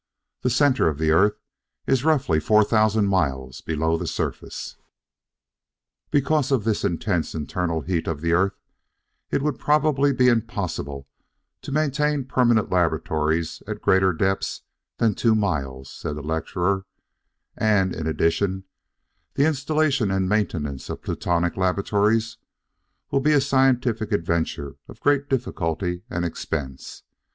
The center of the earth is roughly 4,000 miles below the surface. "Because of this intense internal heat of the earth it would probably be impossible to maintain permanent laboratories at greater depths than two miles," said the lecturer, "and, in addition, the installation and maintenance of Plutonic laboratories will be a scientific adventure of great difficulty and expense.